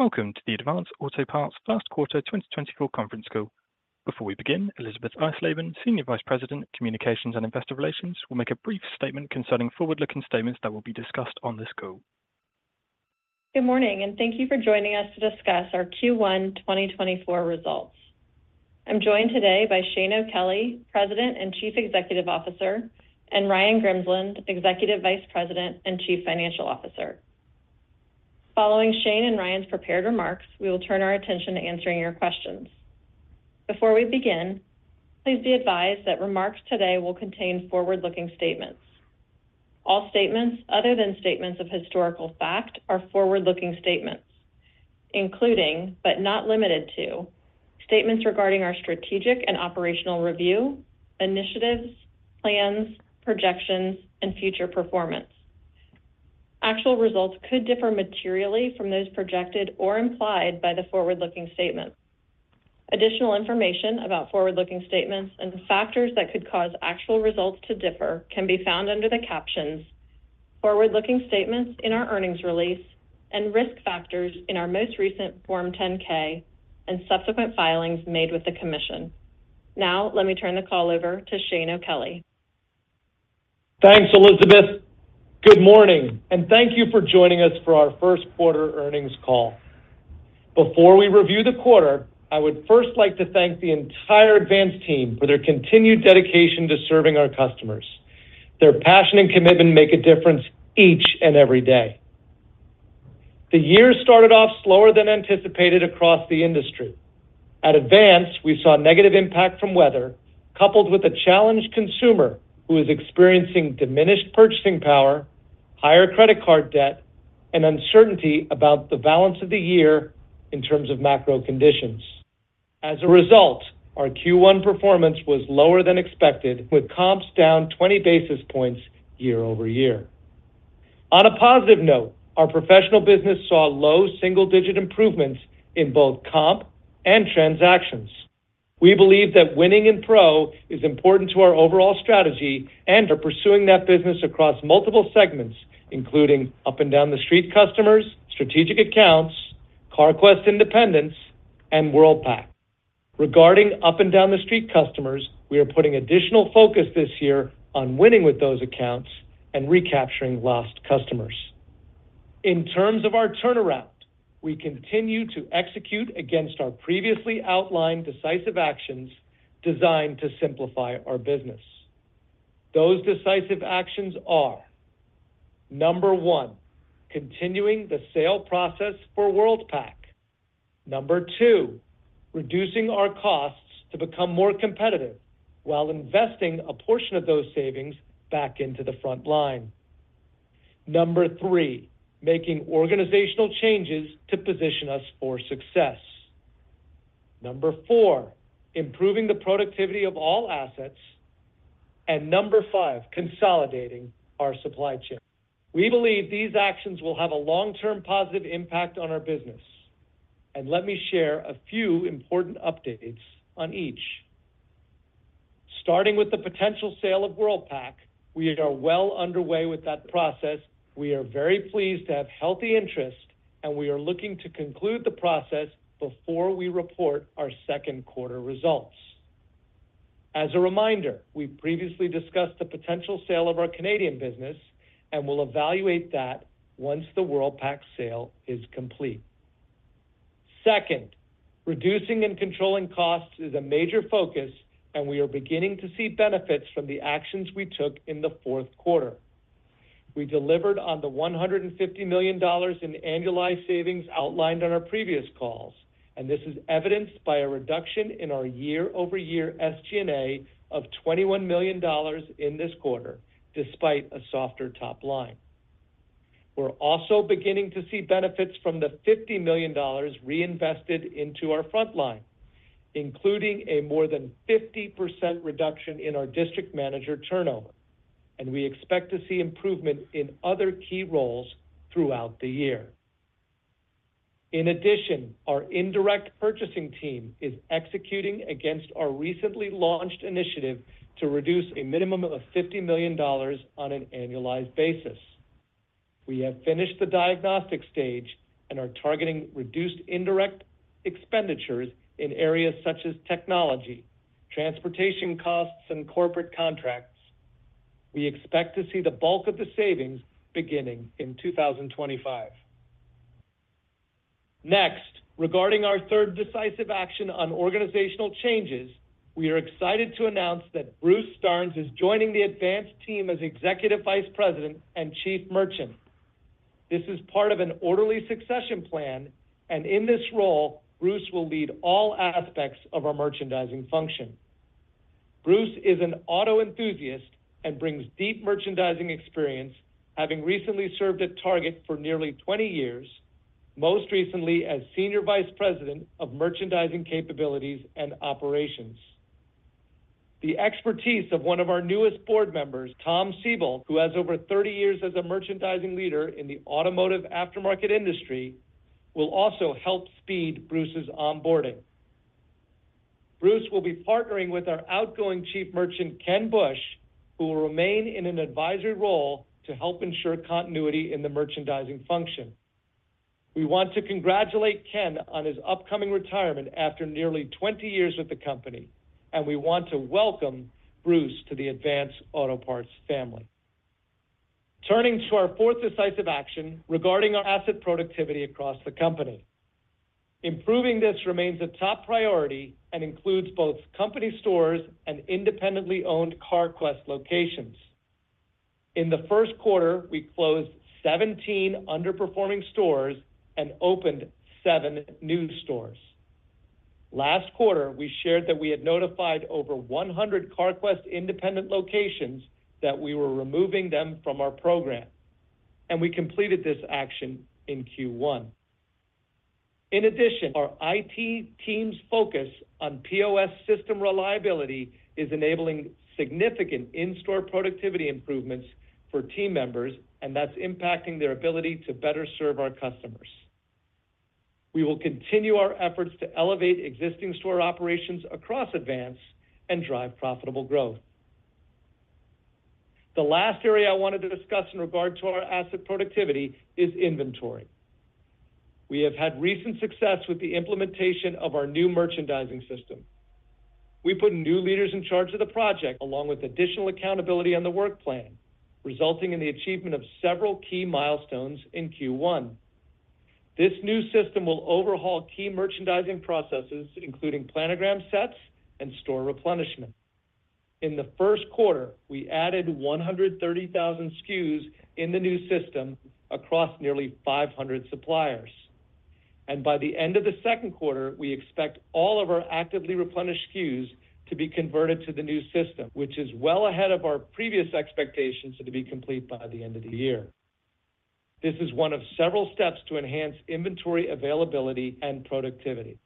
Welcome to the Advance Auto Parts First Quarter 2024 Conference Call. Before we begin, Elisabeth Eisleben, Senior Vice President, Communications and Investor Relations, will make a brief statement concerning forward-looking statements that will be discussed on this call. Good morning, and thank you for joining us to discuss our Q1 2024 results. I'm joined today by Shane O'Kelly, President and Chief Executive Officer, and Ryan Grimsland, Executive Vice President and Chief Financial Officer. Following Shane and Ryan's prepared remarks, we will turn our attention to answering your questions. Before we begin, please be advised that remarks today will contain forward-looking statements. All statements other than statements of historical fact are forward-looking statements, including but not limited to statements regarding our strategic and operational review, initiatives, plans, projections, and future performance. Actual results could differ materially from those projected or implied by the forward-looking statements. Additional information about forward-looking statements and factors that could cause actual results to differ can be found under the captions "Forward-looking Statements in Our Earnings Release" and "Risk Factors in Our Most Recent Form 10-K and Subsequent Filings Made with the Commission." Now let me turn the call over to Shane O'Kelly. Thanks, Elizabeth. Good morning, and thank you for joining us for our First Quarter Earnings Call. Before we review the quarter, I would first like to thank the entire Advance team for their continued dedication to serving our customers. Their passion and commitment make a difference each and every day. The year started off slower than anticipated across the industry. At Advance, we saw negative impact from weather coupled with a challenged consumer who was experiencing diminished purchasing power, higher credit card debt, and uncertainty about the balance of the year in terms of macro conditions. As a result, our Q1 performance was lower than expected, with comps down 20 basis points year-over-year. On a positive note, our professional business saw low single-digit improvements in both comp and transactions. We believe that winning in Pro is important to our overall strategy and are pursuing that business across multiple segments, including up-and-down-the-street customers, strategic accounts, Carquest independents, and Worldpac. Regarding up-and-down-the-street customers, we are putting additional focus this year on winning with those accounts and recapturing lost customers. In terms of our turnaround, we continue to execute against our previously outlined decisive actions designed to simplify our business. Those decisive actions are: Number 1, continuing the sale process for Worldpac. Number 2, reducing our costs to become more competitive while investing a portion of those savings back into the front line. Number 3, making organizational changes to position us for success. Number 4, improving the productivity of all assets. And number 5, consolidating our supply chain. We believe these actions will have a long-term positive impact on our business, and let me share a few important updates on each. Starting with the potential sale of Worldpac, we are well underway with that process. We are very pleased to have healthy interest, and we are looking to conclude the process before we report our second quarter results. As a reminder, we previously discussed the potential sale of our Canadian business and will evaluate that once the Worldpac sale is complete. Second, reducing and controlling costs is a major focus, and we are beginning to see benefits from the actions we took in the fourth quarter. We delivered on the $150 million in annualized savings outlined on our previous calls, and this is evidenced by a reduction in our year-over-year SG&A of $21 million in this quarter, despite a softer top line. We're also beginning to see benefits from the $50 million reinvested into our front line, including a more than 50% reduction in our district manager turnover, and we expect to see improvement in other key roles throughout the year. In addition, our indirect purchasing team is executing against our recently launched initiative to reduce a minimum of $50 million on an annualized basis. We have finished the diagnostic stage and are targeting reduced indirect expenditures in areas such as technology, transportation costs, and corporate contracts. We expect to see the bulk of the savings beginning in 2025. Next, regarding our third decisive action on organizational changes, we are excited to announce that Bruce Starnes is joining the Advance team as Executive Vice President and Chief Merchant. This is part of an orderly succession plan, and in this role, Bruce will lead all aspects of our merchandising function. Bruce is an auto enthusiast and brings deep merchandising experience, having recently served at Target for nearly 20 years, most recently as Senior Vice President of Merchandising Capabilities and Operations. The expertise of one of our newest board members, Tom Seboldt, who has over 30 years as a merchandising leader in the automotive aftermarket industry, will also help speed Bruce's onboarding. Bruce will be partnering with our outgoing Chief Merchant, Ken Bush, who will remain in an advisory role to help ensure continuity in the merchandising function. We want to congratulate Ken on his upcoming retirement after nearly 20 years with the company, and we want to welcome Bruce to the Advance Auto Parts family. Turning to our fourth decisive action regarding our asset productivity across the company. Improving this remains a top priority and includes both company stores and independently owned Carquest locations. In the first quarter, we closed 17 underperforming stores and opened 7 new stores. Last quarter, we shared that we had notified over 100 Carquest independent locations that we were removing them from our program, and we completed this action in Q1. In addition, our IT team's focus on POS system reliability is enabling significant in-store productivity improvements for team members, and that's impacting their ability to better serve our customers. We will continue our efforts to elevate existing store operations across Advance and drive profitable growth. The last area I wanted to discuss in regard to our asset productivity is inventory. We have had recent success with the implementation of our new merchandising system. We put new leaders in charge of the project along with additional accountability on the work plan, resulting in the achievement of several key milestones in Q1. This new system will overhaul key merchandising processes, including planogram sets and store replenishment. In the first quarter, we added 130,000 SKUs in the new system across nearly 500 suppliers. By the end of the second quarter, we expect all of our actively replenished SKUs to be converted to the new system, which is well ahead of our previous expectations to be complete by the end of the year. This is one of several steps to enhance inventory availability and productivity.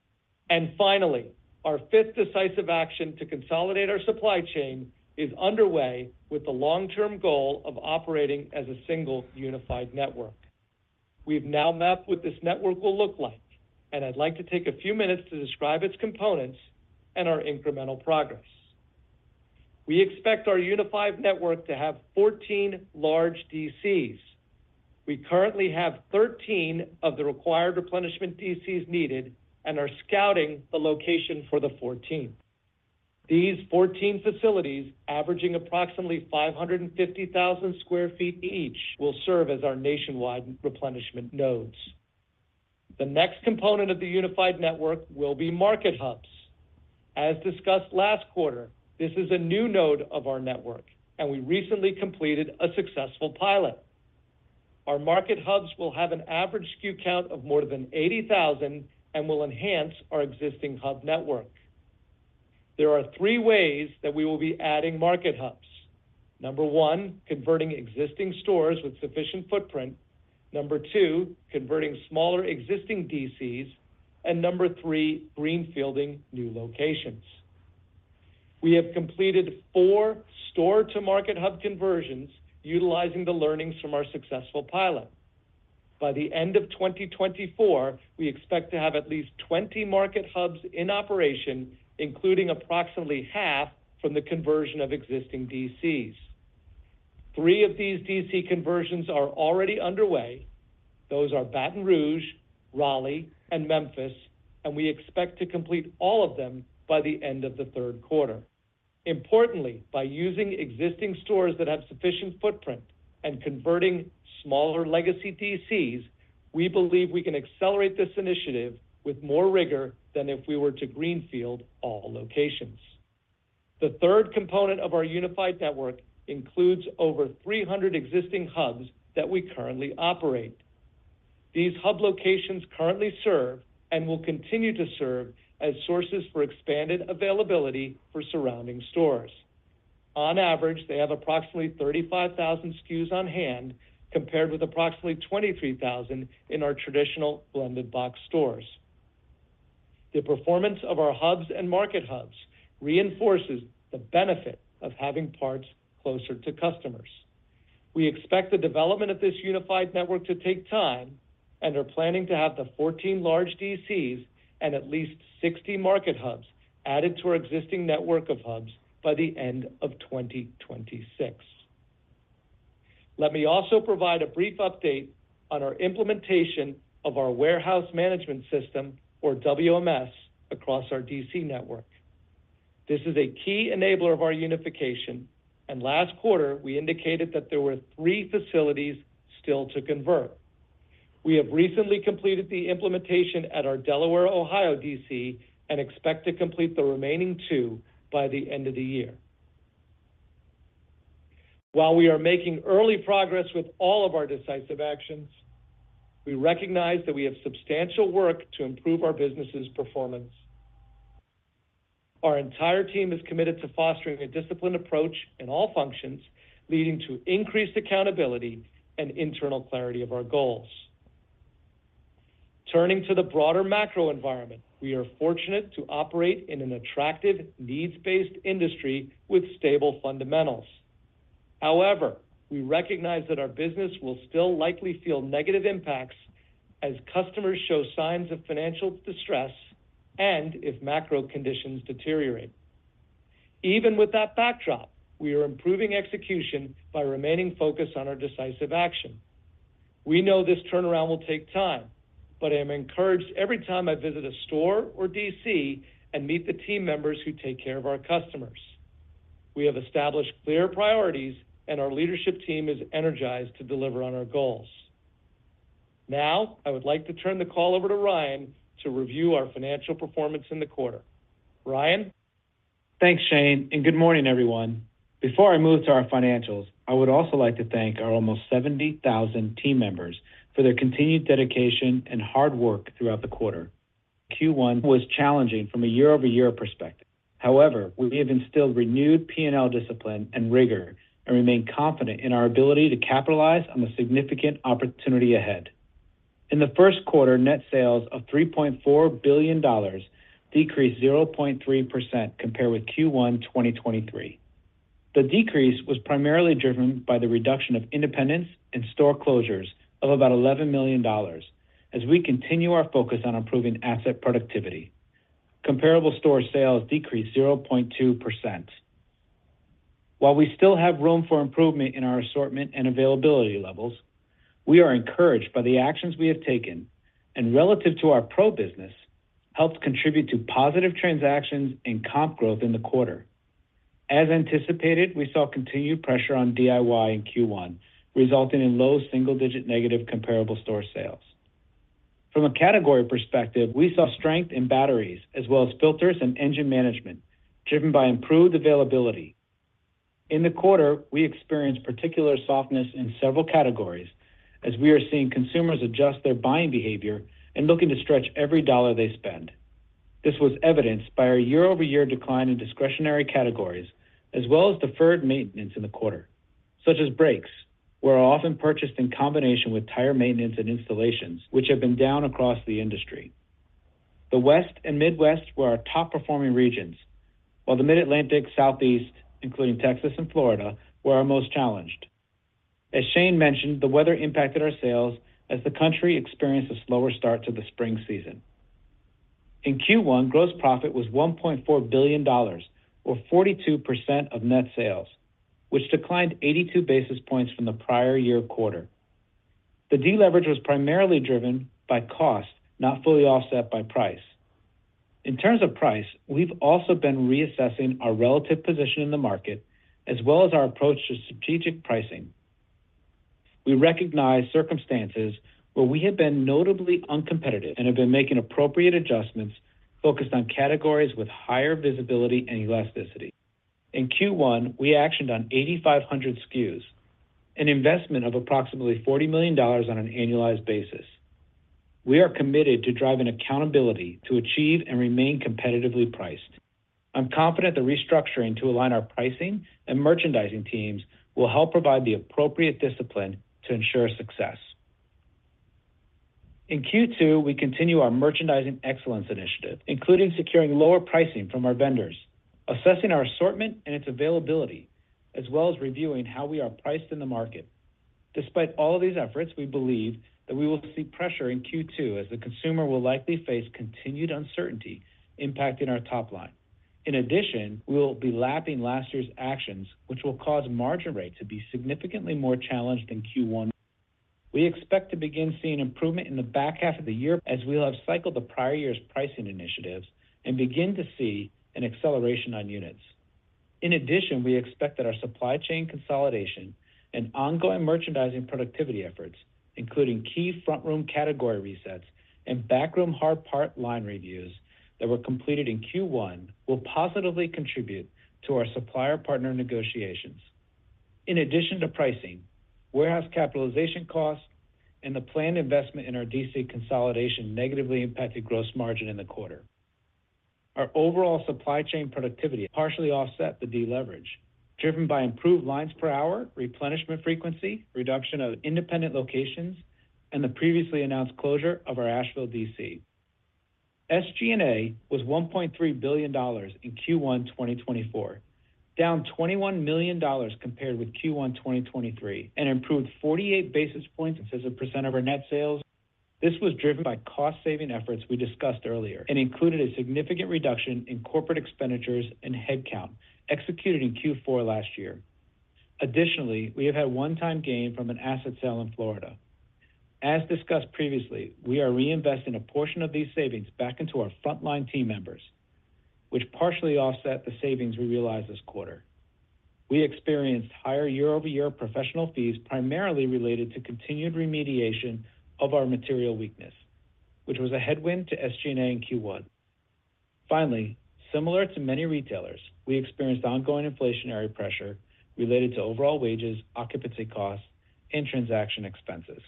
Finally, our fifth decisive action to consolidate our supply chain is underway with the long-term goal of operating as a single unified network. We've now mapped what this network will look like, and I'd like to take a few minutes to describe its components and our incremental progress. We expect our unified network to have 14 large DCs. We currently have 13 of the required replenishment DCs needed and are scouting the location for the 14. These 14 facilities, averaging approximately 550,000 sq ft each, will serve as our nationwide replenishment nodes. The next component of the unified network will be market hubs. As discussed last quarter, this is a new node of our network, and we recently completed a successful pilot. Our market hubs will have an average SKU count of more than 80,000 and will enhance our existing hub network. There are three ways that we will be adding market hubs: number one, converting existing stores with sufficient footprint; number two, converting smaller existing DCs; and number three, greenfielding new locations. We have completed 4 store-to-market hub conversions utilizing the learnings from our successful pilot. By the end of 2024, we expect to have at least 20 market hubs in operation, including approximately half from the conversion of existing DCs. 3 of these DC conversions are already underway. Those are Baton Rouge, Raleigh, and Memphis, and we expect to complete all of them by the end of the third quarter. Importantly, by using existing stores that have sufficient footprint and converting smaller legacy DCs, we believe we can accelerate this initiative with more rigor than if we were to greenfield all locations. The third component of our unified network includes over 300 existing hubs that we currently operate. These hub locations currently serve and will continue to serve as sources for expanded availability for surrounding stores. On average, they have approximately 35,000 SKUs on hand compared with approximately 23,000 in our traditional blended-box stores. The performance of our hubs and Market Hubs reinforces the benefit of having parts closer to customers. We expect the development of this unified network to take time and are planning to have the 14 large DCs and at least 60 Market Hubs added to our existing network of hubs by the end of 2026. Let me also provide a brief update on our implementation of our warehouse management system, or WMS, across our DC network. This is a key enabler of our unification, and last quarter we indicated that there were 3 facilities still to convert. We have recently completed the implementation at our Delaware, Ohio, DC and expect to complete the remaining 2 by the end of the year. While we are making early progress with all of our decisive actions, we recognize that we have substantial work to improve our business's performance. Our entire team is committed to fostering a disciplined approach in all functions, leading to increased accountability and internal clarity of our goals. Turning to the broader macro environment, we are fortunate to operate in an attractive, needs-based industry with stable fundamentals. However, we recognize that our business will still likely feel negative impacts as customers show signs of financial distress and if macro conditions deteriorate. Even with that backdrop, we are improving execution by remaining focused on our decisive action. We know this turnaround will take time, but I am encouraged every time I visit a store or DC and meet the team members who take care of our customers. We have established clear priorities, and our leadership team is energized to deliver on our goals. Now, I would like to turn the call over to Ryan to review our financial performance in the quarter. Ryan? Thanks, Shane, and good morning, everyone. Before I move to our financials, I would also like to thank our almost 70,000 team members for their continued dedication and hard work throughout the quarter. Q1 was challenging from a year-over-year perspective. However, we have instilled renewed P&L discipline and rigor and remain confident in our ability to capitalize on the significant opportunity ahead. In the first quarter, net sales of $3.4 billion decreased 0.3% compared with Q1 2023. The decrease was primarily driven by the reduction of independence and store closures of about $11 million as we continue our focus on improving asset productivity. Comparable store sales decreased 0.2%. While we still have room for improvement in our assortment and availability levels, we are encouraged by the actions we have taken and, relative to our pro-business, helped contribute to positive transactions and comp growth in the quarter. As anticipated, we saw continued pressure on DIY in Q1, resulting in low single-digit negative comparable store sales. From a category perspective, we saw strength in batteries as well as filters and engine management, driven by improved availability. In the quarter, we experienced particular softness in several categories as we are seeing consumers adjust their buying behavior and looking to stretch every dollar they spend. This was evidenced by our year-over-year decline in discretionary categories as well as deferred maintenance in the quarter, such as brakes, which are often purchased in combination with tire maintenance and installations, which have been down across the industry. The West and Midwest were our top-performing regions, while the Mid-Atlantic, Southeast, including Texas and Florida, were our most challenged. As Shane mentioned, the weather impacted our sales as the country experienced a slower start to the spring season. In Q1, gross profit was $1.4 billion, or 42% of net sales, which declined 82 basis points from the prior year quarter. The deleverage was primarily driven by cost, not fully offset by price. In terms of price, we've also been reassessing our relative position in the market as well as our approach to strategic pricing. We recognize circumstances where we have been notably uncompetitive and have been making appropriate adjustments focused on categories with higher visibility and elasticity. In Q1, we actioned on 8,500 SKUs, an investment of approximately $40 million on an annualized basis. We are committed to driving accountability to achieve and remain competitively priced. I'm confident the restructuring to align our pricing and merchandising teams will help provide the appropriate discipline to ensure success. In Q2, we continue our merchandising excellence initiative, including securing lower pricing from our vendors, assessing our assortment and its availability, as well as reviewing how we are priced in the market. Despite all of these efforts, we believe that we will see pressure in Q2 as the consumer will likely face continued uncertainty impacting our top line. In addition, we will be lapping last year's actions, which will cause margin rates to be significantly more challenged than Q1. We expect to begin seeing improvement in the back half of the year as we'll have cycled the prior year's pricing initiatives and begin to see an acceleration on units. In addition, we expect that our supply chain consolidation and ongoing merchandising productivity efforts, including key front-room category resets and back-room hard part line reviews that were completed in Q1, will positively contribute to our supplier-partner negotiations. In addition to pricing, warehouse capitalization costs and the planned investment in our DC consolidation negatively impacted gross margin in the quarter. Our overall supply chain productivity partially offset the deleverage, driven by improved lines per hour, replenishment frequency, reduction of independent locations, and the previously announced closure of our Asheville DC. SG&A was $1.3 billion in Q1 2024, down $21 million compared with Q1 2023, and improved 48 basis points of percent of our net sales. This was driven by cost-saving efforts we discussed earlier and included a significant reduction in corporate expenditures and headcount executed in Q4 last year. Additionally, we have had one-time gain from an asset sale in Florida. As discussed previously, we are reinvesting a portion of these savings back into our front-line team members, which partially offset the savings we realized this quarter. We experienced higher year-over-year professional fees primarily related to continued remediation of our material weakness, which was a headwind to SG&A in Q1. Finally, similar to many retailers, we experienced ongoing inflationary pressure related to overall wages, occupancy costs, and transaction expenses.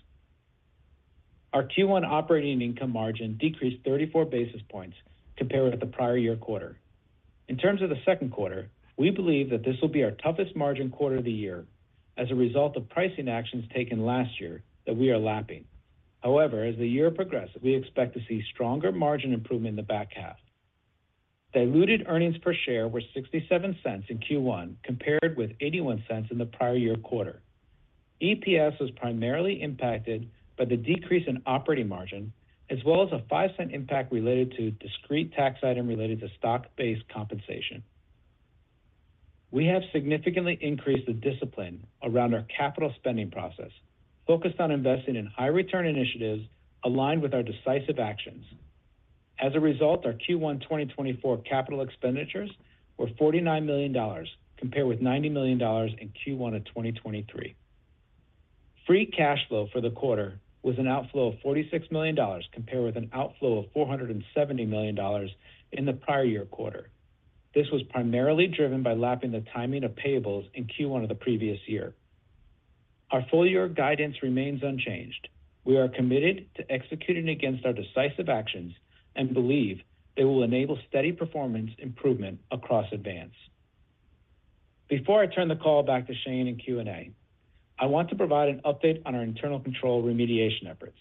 Our Q1 operating income margin decreased 34 basis points compared with the prior year quarter. In terms of the second quarter, we believe that this will be our toughest margin quarter of the year as a result of pricing actions taken last year that we are lapping. However, as the year progresses, we expect to see stronger margin improvement in the back half. Diluted earnings per share were $0.67 in Q1 compared with $0.81 in the prior year quarter. EPS was primarily impacted by the decrease in operating margin as well as a $0.05 impact related to discrete tax item related to stock-based compensation. We have significantly increased the discipline around our capital spending process, focused on investing in high-return initiatives aligned with our decisive actions. As a result, our Q1 2024 capital expenditures were $49 million compared with $90 million in Q1 of 2023. Free cash flow for the quarter was an outflow of $46 million compared with an outflow of $470 million in the prior year quarter. This was primarily driven by lapping the timing of payables in Q1 of the previous year. Our full-year guidance remains unchanged. We are committed to executing against our decisive actions and believe they will enable steady performance improvement across Advance. Before I turn the call back to Shane and Q&A, I want to provide an update on our internal control remediation efforts.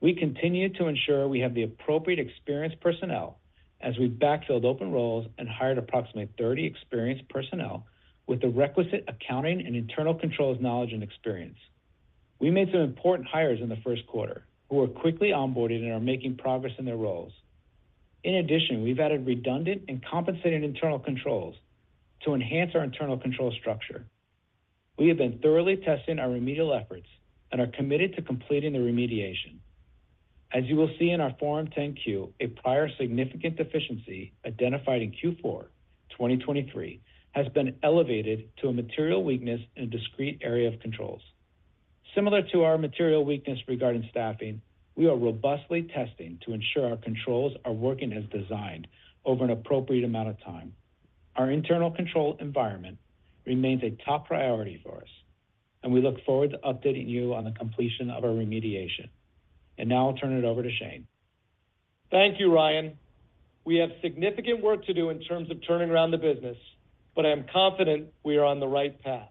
We continue to ensure we have the appropriate experienced personnel as we backfilled open roles and hired approximately 30 experienced personnel with the requisite accounting and internal controls knowledge and experience. We made some important hires in the first quarter who were quickly onboarded and are making progress in their roles. In addition, we've added redundant and compensating internal controls to enhance our internal control structure. We have been thoroughly testing our remedial efforts and are committed to completing the remediation. As you will see in our Form 10-Q, a prior significant deficiency identified in Q4 2023 has been elevated to a material weakness in a discrete area of controls. Similar to our material weakness regarding staffing, we are robustly testing to ensure our controls are working as designed over an appropriate amount of time. Our internal control environment remains a top priority for us, and we look forward to updating you on the completion of our remediation. Now I'll turn it over to Shane. Thank you, Ryan. We have significant work to do in terms of turning around the business, but I am confident we are on the right path.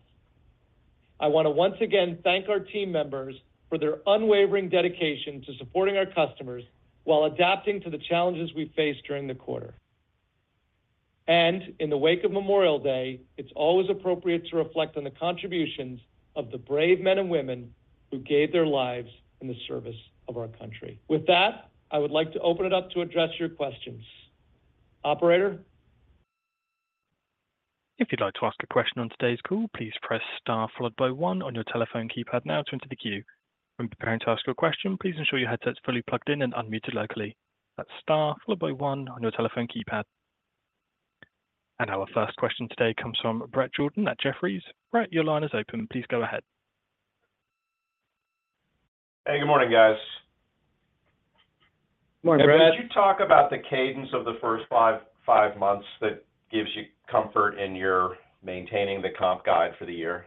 I want to once again thank our team members for their unwavering dedication to supporting our customers while adapting to the challenges we faced during the quarter. In the wake of Memorial Day, it's always appropriate to reflect on the contributions of the brave men and women who gave their lives in the service of our country. With that, I would like to open it up to address your questions. Operator? If you'd like to ask a question on today's call, please press *1 on your telephone keypad now to enter the queue. When preparing to ask your question, please ensure your headset's fully plugged in and unmuted locally. That's *1 on your telephone keypad. Our first question today comes from Bret Jordan at Jefferies. Bret, your line is open. Please go ahead. Hey, good morning, guys. Morning, Bret. Could you talk about the cadence of the first five months that gives you comfort in maintaining the comp guide for the year?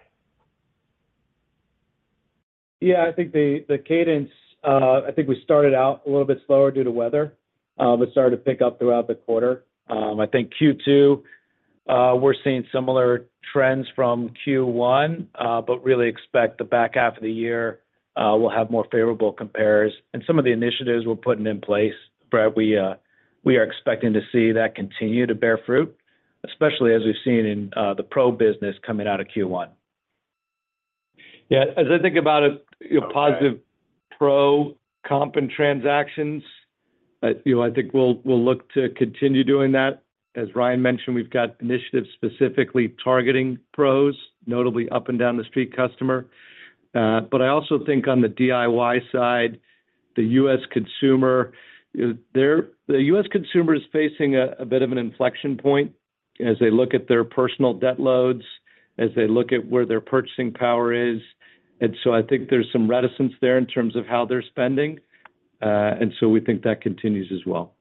Yeah, I think the cadence I think we started out a little bit slower due to weather, but started to pick up throughout the quarter. I think Q2, we're seeing similar trends from Q1, but really expect the back half of the year will have more favorable compares. And some of the initiatives we're putting in place, Brett, we are expecting to see that continue to bear fruit, especially as we've seen in the pro-business coming out of Q1. Yeah, as I think about it, positive pro comp and transactions, I think we'll look to continue doing that. As Ryan mentioned, we've got initiatives specifically targeting pros, notably up and down-the-street customer. But I also think on the DIY side, the U.S. consumer the U.S. consumer is facing a bit of an inflection point as they look at their personal debt loads, as they look at where their purchasing power is. And so I think there's some reticence there in terms of how they're spending. And so we think that continues as well.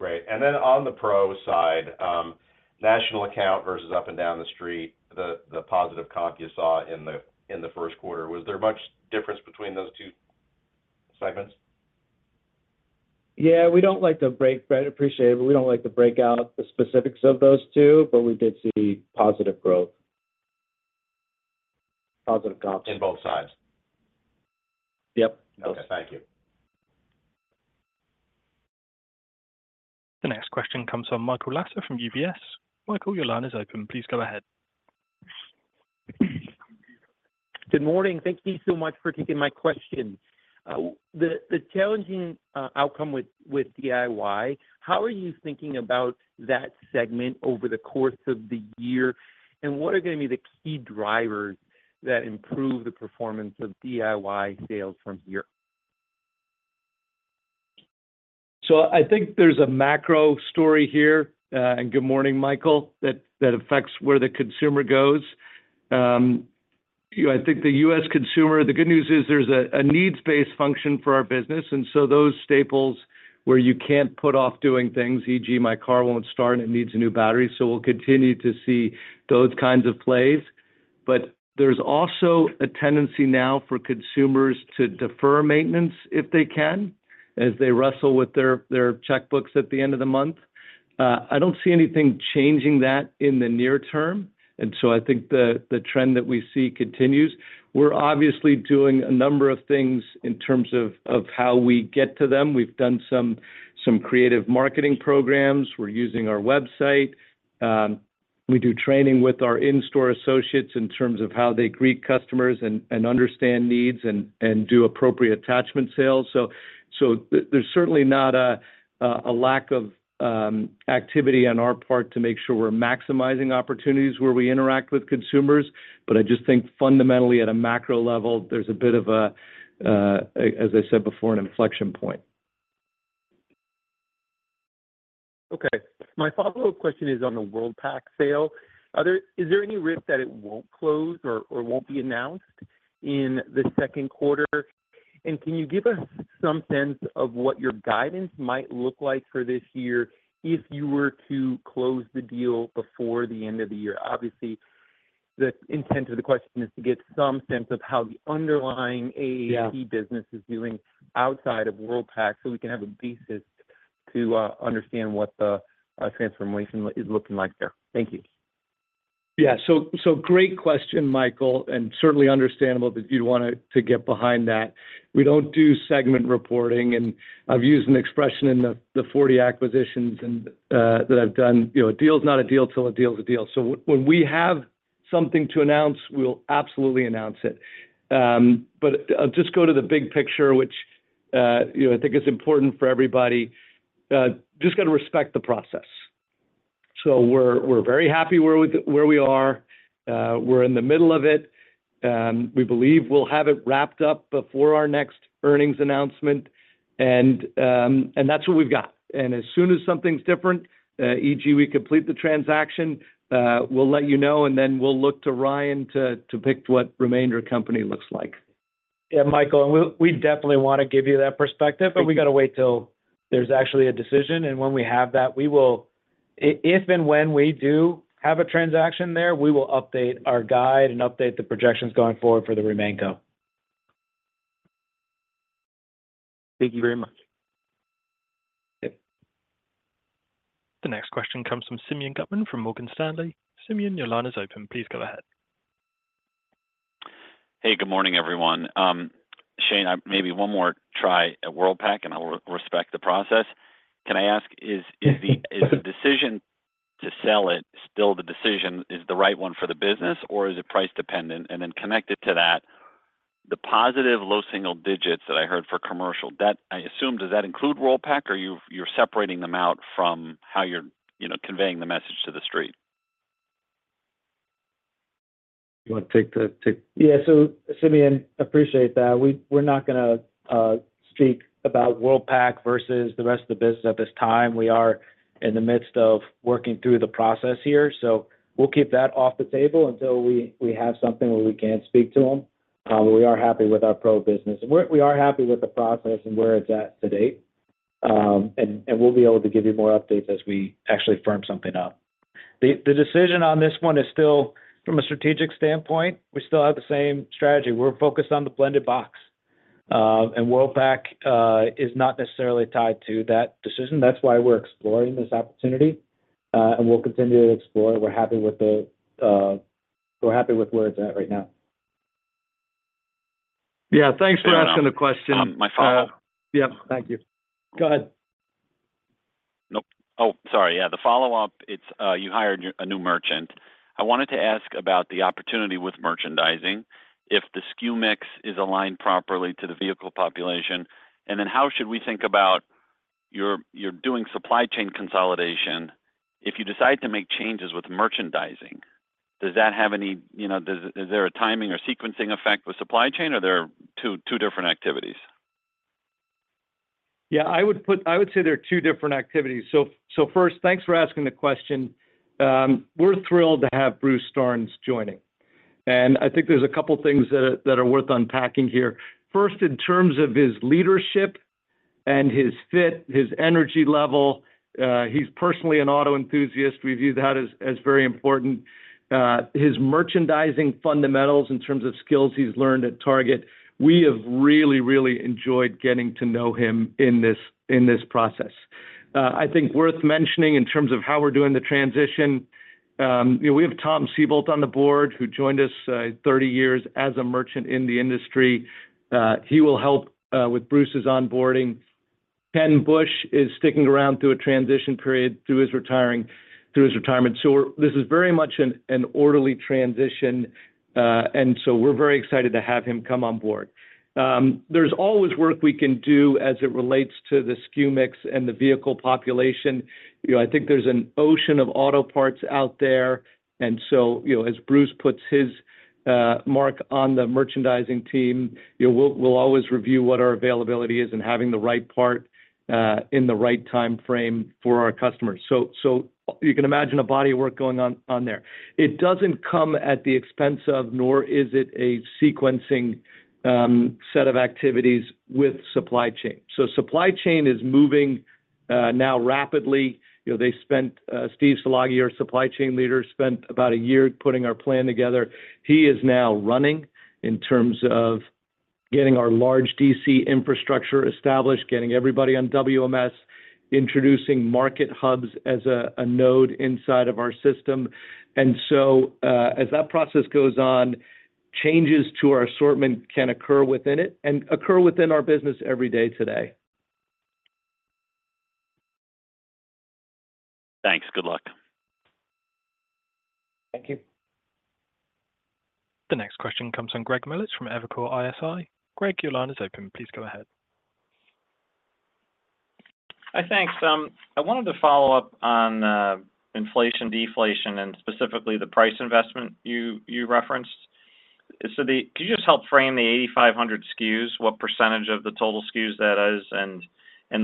Great. And then on the pro side, national account versus up and down the street, the positive comp you saw in the first quarter, was there much difference between those two segments? Yeah, we don't like the break I appreciate it, but we don't like the breakout, the specifics of those two, but we did see positive growth. Positive comps. In both sides? Yep. Okay, thank you. The next question comes from Michael Lasser from UBS. Michael, your line is open. Please go ahead. Good morning. Thank you so much for taking my question. The challenging outcome with DIY, how are you thinking about that segment over the course of the year, and what are going to be the key drivers that improve the performance of DIY sales from here? So I think there's a macro story here, and good morning, Michael, that affects where the consumer goes. I think the U.S. consumer. The good news is there's a needs-based function for our business. And so those staples where you can't put off doing things, e.g., my car won't start and it needs a new battery, so we'll continue to see those kinds of plays. But there's also a tendency now for consumers to defer maintenance if they can as they wrestle with their checkbooks at the end of the month. I don't see anything changing that in the near term, and so I think the trend that we see continues. We're obviously doing a number of things in terms of how we get to them. We've done some creative marketing programs. We're using our website. We do training with our in-store associates in terms of how they greet customers and understand needs and do appropriate attachment sales. So there's certainly not a lack of activity on our part to make sure we're maximizing opportunities where we interact with consumers. But I just think fundamentally, at a macro level, there's a bit of a, as I said before, an in flection point. Okay. My follow-up question is on the Worldpac sale. Is there any risk that it won't close or won't be announced in the second quarter? And can you give us some sense of what your guidance might look like for this year if you were to close the deal before the end of the year? Obviously, the intent of the question is to get some sense of how the underlying AAP business is doing outside of Worldpac so we can have a basis to understand what the transformation is looking like there. Thank you. Yeah, so great question, Michael, and certainly understandable that you'd want to get behind that. We don't do segment reporting, and I've used an expression in the 40 acquisitions that I've done: "A deal's not a deal till a deal's a deal." So when we have something to announce, we'll absolutely announce it. But I'll just go to the big picture, which I think is important for everybody. Just got to respect the process. So we're very happy where we are. We're in the middle of it. We believe we'll have it wrapped up before our next earnings announcement, and that's what we've got. And as soon as something's different, e.g., we complete the transaction, we'll let you know, and then we'll look to Ryan to pick what remainder company looks like. Yeah, Michael, and we definitely want to give you that perspective, but we got to wait till there's actually a decision. And when we have that, we will if and when we do have a transaction there, we will update our guide and update the projections going forward for the remainder. Thank you very much. The next question comes from Simeon Gutman from Morgan Stanley. Simeon, your line is open. Please go ahead. Hey, good morning, everyone. Shane, maybe one more try at Worldpac, and I'll respect the process. Can I ask, is the decision to sell it still the decision is the right one for the business, or is it price-dependent? And then connected to that, the positive low-single digits that I heard for commercial DIY, I assume, does that include Worldpac, or you're separating them out from how you're conveying the message to the street? Yeah, so Simeon, appreciate that. We're not going to speak about WorldPAC versus the rest of the business at this time. We are in the midst of working through the process here, so we'll keep that off the table until we have something where we can speak to them. But we are happy with our pro-business, and we are happy with the process and where it's at to date. We'll be able to give you more updates as we actually firm something up. The decision on this one is still from a strategic standpoint. We still have the same strategy. We're focused on the blended box, and WorldPAC is not necessarily tied to that decision. That's why we're exploring this opportunity, and we'll continue to explore. We're happy with the we're happy with where it's at right now. Yeah, thanks for asking the question. My follow-up. Yeah, the follow-up, you hired a new merchant. I wanted to ask about the opportunity with merchandising, if the SKU mix is aligned properly to the vehicle population, and then how should we think about you're doing supply chain consolidation. If you decide to make changes with merchandising, does that have any, is there a timing or sequencing effect with supply chain, or are there two different activities? Yeah, I would say there are two different activities. So first, thanks for asking the question. We're thrilled to have Bruce Starnes joining, and I think there's a couple of things that are worth unpacking here. First, in terms of his leadership and his fit, his energy level, he's personally an auto enthusiast. We view that as very important. His merchandising fundamentals in terms of skills he's learned at Target, we have really, really enjoyed getting to know him in this process. I think worth mentioning in terms of how we're doing the transition, we have Tom Seboldt on the board who joined us 30 years as a merchant in the industry. He will help with Bruce's onboarding. Ken Bush is sticking around through a transition period through his retirement. So this is very much an orderly transition, and so we're very excited to have him come on board. There's always work we can do as it relates to the SKU mix and the vehicle population. I think there's an ocean of auto parts out there, and so as Bruce puts his mark on the merchandising team, we'll always review what our availability is and having the right part in the right time frame for our customers. So you can imagine a body of work going on there. It doesn't come at the expense of, nor is it a sequencing set of activities with supply chain. So supply chain is moving now rapidly. Steve Szilagyi, our supply chain leader, spent about a year putting our plan together. He is now running in terms of getting our large DC infrastructure established, getting everybody on WMS, introducing market hubs as a node inside of our system. And so as that process goes on, changes to our assortment can occur within it and occur within our business every day today. Thanks. Good luck. Thank you. The next question comes from Greg Melich from Evercore ISI. Greg, your line is open. Please go ahead. Hi, thanks. I wanted to follow up on inflation, deflation, and specifically the price investment you referenced. So could you just help frame the 8,500 SKUs, what percentage of the total SKUs that is, and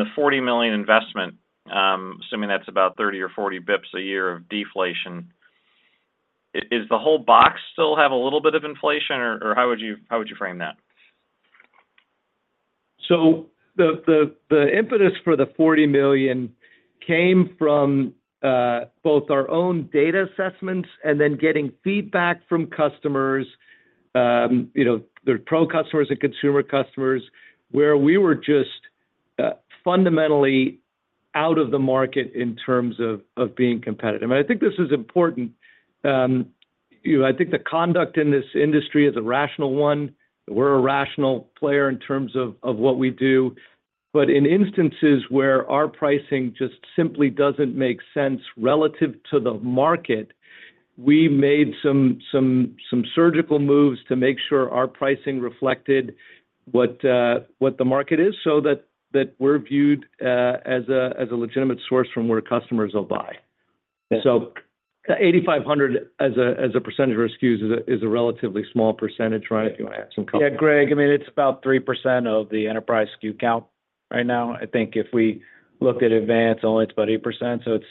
the $40 million investment, assuming that's about 30 or 40 basis points a year of deflation, does the whole box still have a little bit of inflation, or how would you frame that? So the impetus for the $40 million came from both our own data assessments and then getting feedback from customers, their pro-customers and consumer customers, where we were just fundamentally out of the market in terms of being competitive. And I think this is important. I think the conduct in this industry is a rational one. We're a rational player in terms of what we do. But in instances where our pricing just simply doesn't make sense relative to the market, we made some surgical moves to make sure our pricing reflected what the market is so that we're viewed as a legitimate source from where customers will buy. So 8,500 as a percentage of our SKUs is a relatively small percentage, Ryan, if you want to add some comp. Yeah, Greg, I mean, it's about 3% of the enterprise SKU count right now. I think if we looked at Advance only, it's about 8%. So it's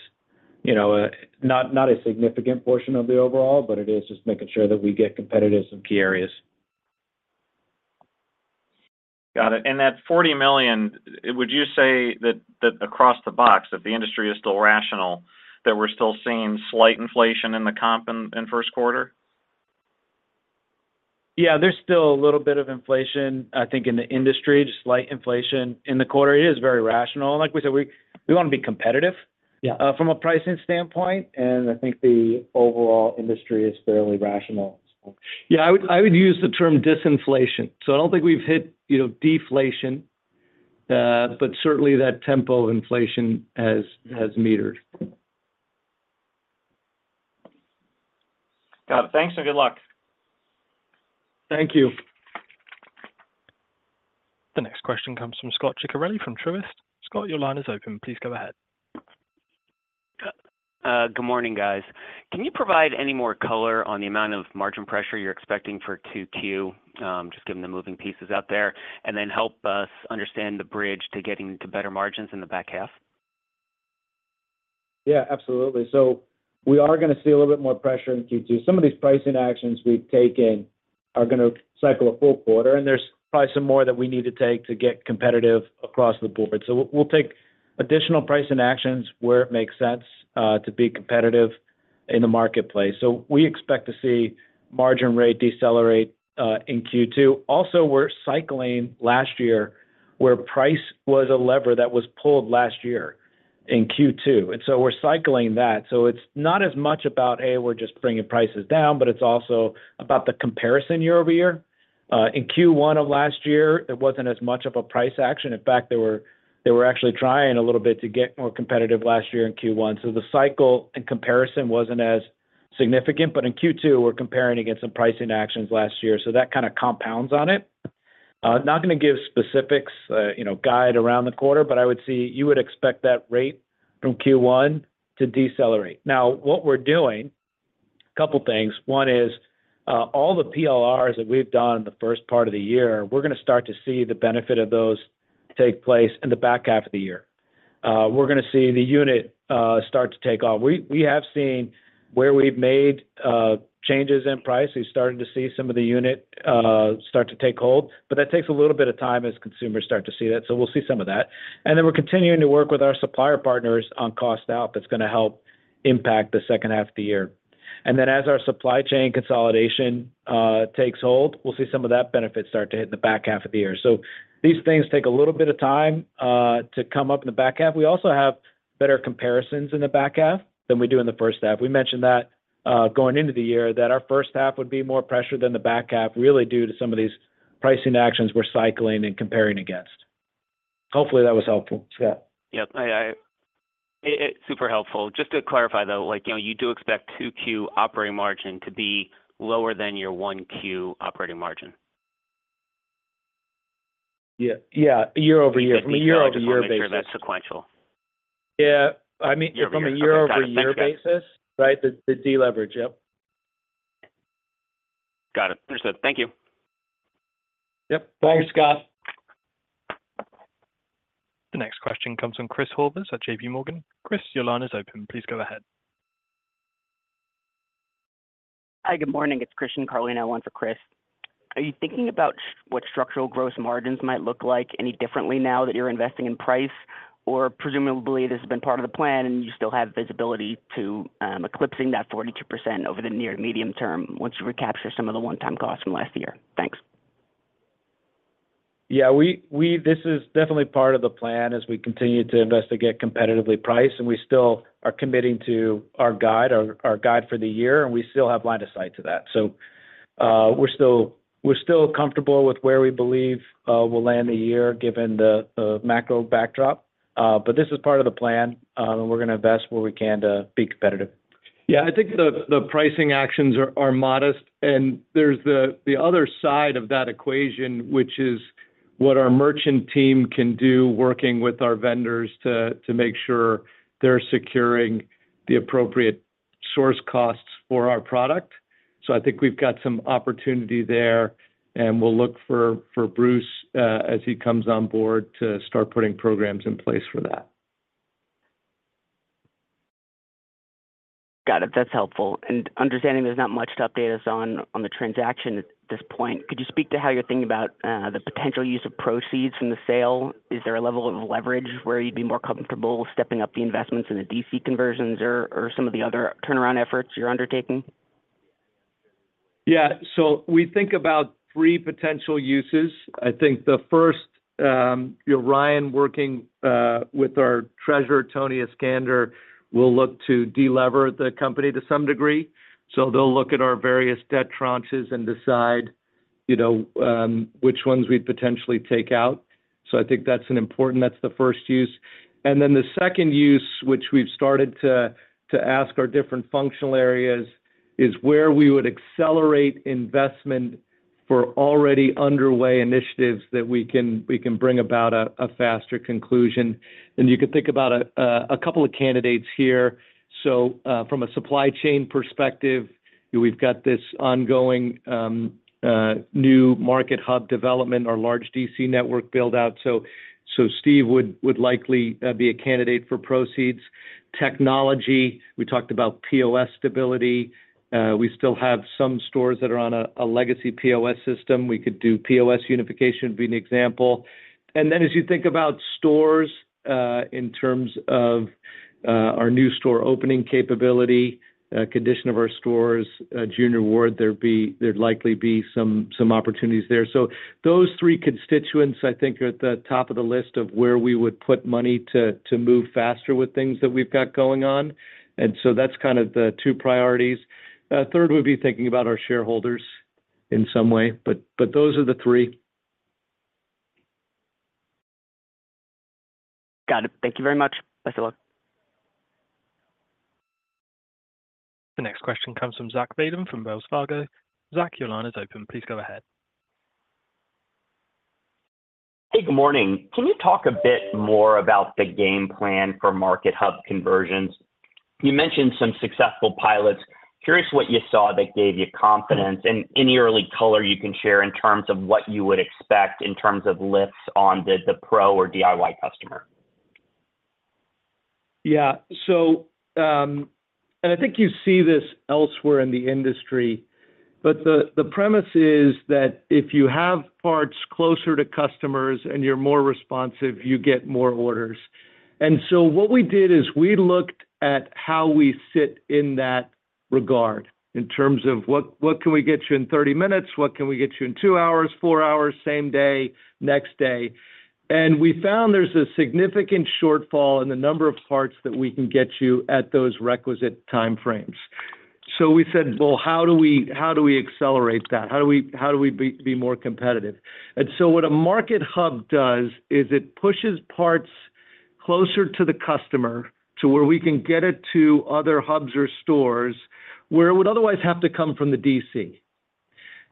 not a significant portion of the overall, but it is just making sure that we get competitive in some key areas. Got it. And that $40 million, would you say that across the box, if the industry is still rational, that we're still seeing slight inflation in the comp in first quarter? Yeah, there's still a little bit of inflation, I think, in the industry, just slight inflation in the quarter. It is very rational. And like we said, we want to be competitive from a pricing standpoint, and I think the overall industry is fairly rational. Yeah, I would use the term disinflation. So I don't think we've hit deflation, but certainly that tempo of inflation has metered. Got it. Thanks and good luck. Thank you. The next question comes from Scott Ciccarelli from Truist. Scott, your line is open. Please go ahead. Good morning, guys. Can you provide any more color on the amount of margin pressure you're expecting for Q2, just given the moving pieces out there, and then help us understand the bridge to getting to better margins in the back half? Yeah, absolutely. So we are going to see a little bit more pressure in Q2. Some of these pricing actions we've taken are going to cycle a full quarter, and there's probably some more that we need to take to get competitive across the board. So we'll take additional pricing actions where it makes sense to be competitive in the marketplace. So we expect to see margin rate decelerate in Q2. Also, we're cycling last year where price was a lever that was pulled last year in Q2, and so we're cycling that. So it's not as much about, "Hey, we're just bringing prices down," but it's also about the comparison year-over-year. In Q1 of last year, there wasn't as much of a price action. In fact, they were actually trying a little bit to get more competitive last year in Q1. So the cycle and comparison wasn't as significant, but in Q2, we're comparing against some pricing actions last year, so that kind of compounds on it. Not going to give specifics guide around the quarter, but I would see you would expect that rate from Q1 to decelerate. Now, what we're doing, a couple of things. One is all the PLRs that we've done in the first part of the year, we're going to start to see the benefit of those take place in the back half of the year. We're going to see the unit start to take off. We have seen where we've made changes in price, we've started to see some of the unit start to take hold, but that takes a little bit of time as consumers start to see that. So we'll see some of that. And then we're continuing to work with our supplier partners on cost out that's going to help impact the second half of the year. And then as our supply chain consolidation takes hold, we'll see some of that benefit start to hit in the back half of the year. So these things take a little bit of time to come up in the back half. We also have better comparisons in the back half than we do in the first half. We mentioned that going into the year, that our first half would be more pressure than the back half, really due to some of these pricing actions we're cycling and comparing against. Hopefully, that was helpful, Scott. Yep, super helpful. Just to clarify, though, you do expect Q2 operating margin to be lower than your Q1 operating margin? Yeah, year-over-year. From a year-over-year basis. Yeah, I mean, from a year-over-year basis, right, the deleverage, yep. Got it. Thank you. Yep. Thanks, Scott. The next question comes from Chris Horvers at JPMorgan. Chris, your line is open. Please go ahead. Hi, good morning. It's Christian Carlino, one for Chris. Are you thinking about what structural gross margins might look like any differently now that you're investing in price, or presumably this has been part of the plan and you still have visibility to eclipsing that 42% over the near to medium term once you recapture some of the one-time costs from last year? Thanks. Yeah, this is definitely part of the plan as we continue to investigate competitively price, and we still are committing to our guide for the year, and we still have line of sight to that. So we're still comfortable with where we believe we'll land the year given the macro backdrop, but this is part of the plan, and we're going to invest where we can to be competitive. Yeah, I think the pricing actions are modest. And there's the other side of that equation, which is what our merchant team can do working with our vendors to make sure they're securing the appropriate source costs for our product. So I think we've got some opportunity there, and we'll look for Bruce as he comes on board to start putting programs in place for that. Got it. That's helpful. Understanding there's not much to update us on the transaction at this point, could you speak to how you're thinking about the potential use of proceeds from the sale? Is there a level of leverage where you'd be more comfortable stepping up the investments in the DC conversions or some of the other turnaround efforts you're undertaking? Yeah, so we think about three potential uses. I think the first, Ryan, working with our treasurer, Tony Iskander, will look to delever the company to some degree. So they'll look at our various debt tranches and decide which ones we'd potentially take out. So I think that's an important that's the first use. And then the second use, which we've started to ask our different functional areas, is where we would accelerate investment for already underway initiatives that we can bring about a faster conclusion. And you could think about a couple of candidates here. So from a supply chain perspective, we've got this ongoing new market hub development, our large DC network buildout. So Steve would likely be a candidate for proceeds. Technology, we talked about POS stability. We still have some stores that are on a legacy POS system. We could do POS unification would be an example. And then as you think about stores in terms of our new store opening capability, condition of our stores, junior ward, there'd likely be some opportunities there. So those three constituents, I think, are at the top of the list of where we would put money to move faster with things that we've got going on. And so that's kind of the two priorities. Third would be thinking about our shareholders in some way, but those are the three. Got it. Thank you very much. Best of luck. The next question comes from Zach Fadem from Wells Fargo. Zach, your line is open. Please go ahead. Hey, good morning. Can you talk a bit more about the game plan for Market Hub conversions? You mentioned some successful pilots. Curious what you saw that gave you confidence. And any early color you can share in terms of what you would expect in terms of lifts on the Pro or DIY customer? Yeah, and I think you see this elsewhere in the industry, but the premise is that if you have parts closer to customers and you're more responsive, you get more orders. And so what we did is we looked at how we sit in that regard in terms of what can we get you in 30 minutes? What can we get you in 2 hours, 4 hours, same day, next day? And we found there's a significant shortfall in the number of parts that we can get you at those requisite time frames. So we said, "Well, how do we accelerate that? How do we be more competitive?" And so what a market hub does is it pushes parts closer to the customer to where we can get it to other hubs or stores where it would otherwise have to come from the DC.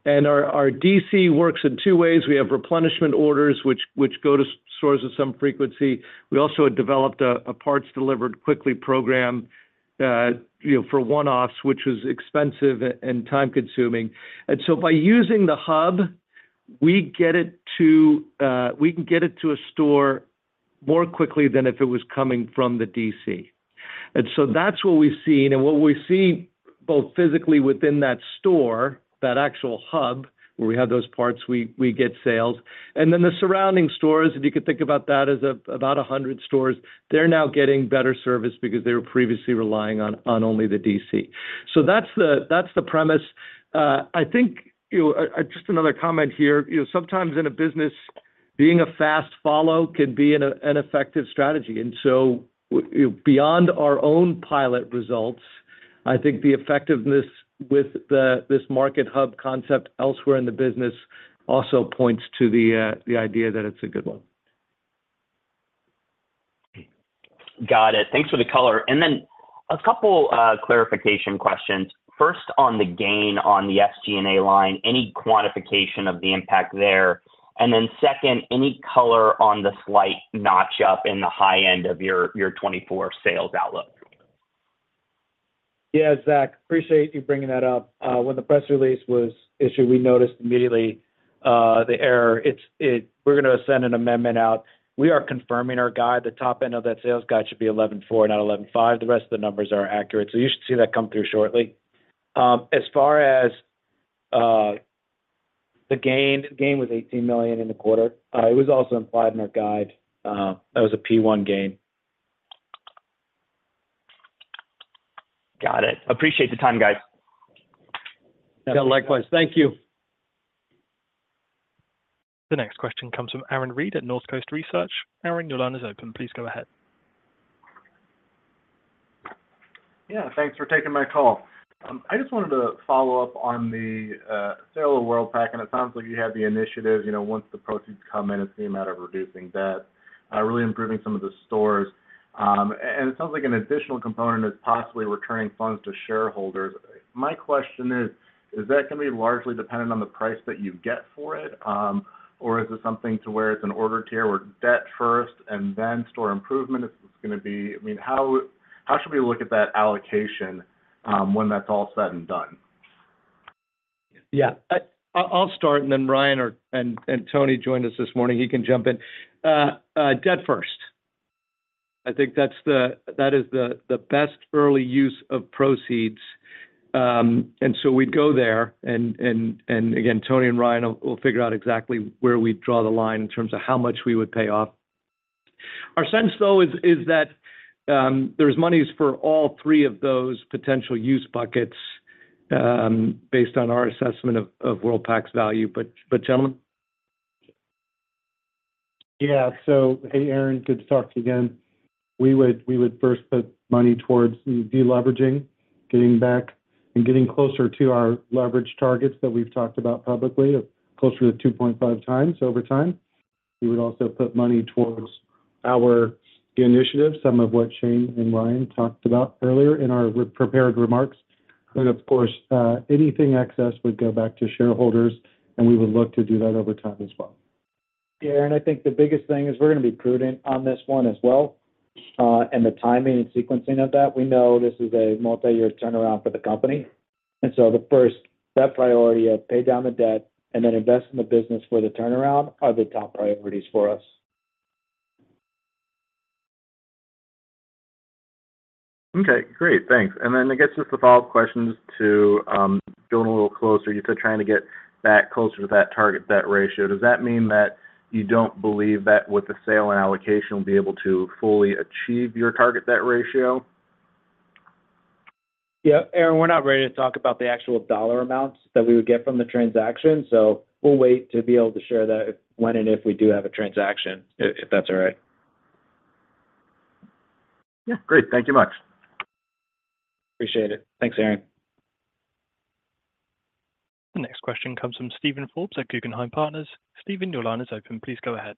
And our DC works in two ways. We have replenishment orders which go to stores with some frequency. We also had developed a parts delivered quickly program for one-offs, which was expensive and time-consuming. And so by using the hub, we get it to we can get it to a store more quickly than if it was coming from the DC. And so that's what we've seen. And what we see both physically within that store, that actual hub where we have those parts, we get sales. And then the surrounding stores, and you could think about that as about 100 stores, they're now getting better service because they were previously relying on only the DC. So that's the premise. I think just another comment here, sometimes in a business, being a fast follow can be an effective strategy. And so beyond our own pilot results, I think the effectiveness with this market hub concept elsewhere in the business also points to the idea that it's a good one. Got it. Thanks for the color. And then a couple of clarification questions. First, on the gain on the SG&A line, any quantification of the impact there? And then second, any color on the slight notch up in the high end of your 2024 sales outlook? Yeah, Zach, appreciate you bringing that up. When the press release was issued, we noticed immediately the error. We're going to send an amendment out. We are confirming our guide. The top end of that sales guide should be 11.4, not 11.5. The rest of the numbers are accurate. So you should see that come through shortly. As far as the gain, the gain was $18 million in the quarter. It was also implied in our guide. That was a P1 gain. Got it. Appreciate the time, guys. Yeah, likewise. Thank you. The next question comes from Aaron Reed at Northcoast Research. Aaron, your line is open. Please go ahead. Yeah, thanks for taking my call. I just wanted to follow up on the sale of the Worldpac, and it sounds like you had the initiative. Once the proceeds come in, it's the amount of reducing debt, really improving some of the stores. And it sounds like an additional component is possibly returning funds to shareholders. My question is, is that going to be largely dependent on the price that you get for it, or is it something to where it's an order tier where debt first and then store improvement is going to be I mean, how should we look at that allocation when that's all said and done? Yeah, I'll start, and then Ryan and Tony joined us this morning. He can jump in. Debt first. I think that is the best early use of proceeds. And so we'd go there. And again, Tony and Ryan will figure out exactly where we'd draw the line in terms of how much we would pay off. Our sense, though, is that there's monies for all three of those potential use buckets based on our assessment of Worldpac's value. But gentlemen? Yeah, so hey, Aaron, good to talk to you again. We would first put money towards deleveraging, getting back, and getting closer to our leverage targets that we've talked about publicly, closer to 2.5x over time. We would also put money towards our initiative, some of what Shane and Ryan talked about earlier in our prepared remarks. And of course, anything excess would go back to shareholders, and we would look to do that over time as well. Yeah, and I think the biggest thing is we're going to be prudent on this one as well and the timing and sequencing of that. We know this is a multi-year turnaround for the company. And so the first, that priority of pay down the debt and then invest in the business for the turnaround are the top priorities for us. Okay, great. Thanks. And then I guess just the follow-up questions to going a little closer. You said trying to get back closer to that target debt ratio. Does that mean that you don't believe that with the sale and allocation, we'll be able to fully achieve your target debt ratio? Yeah, Aaron, we're not ready to talk about the actual dollar amounts that we would get from the transaction. So we'll wait to be able to share that when and if we do have a transaction, if that's all right. Yeah. Great. Thank you much. Appreciate it. Thanks, Aaron. The next question comes from Steven Forbes at Guggenheim Partners. Steven, your line is open. Please go ahead.